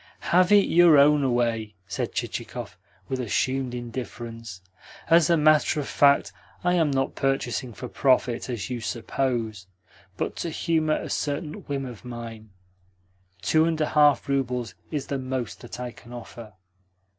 "Have it your own away," said Chichikov, with assumed indifference. "As a matter of fact, I am not purchasing for profit, as you suppose, but to humour a certain whim of mine. Two and a half roubles is the most that I can offer."